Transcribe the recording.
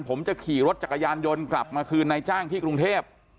ผมจะขี่รถจักรยานยนต์กลับมาคืนนายจ้างที่กรุงเทพ